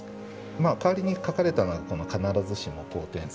まあ代わりに書かれたのはこの「必ずしも好転せず」と。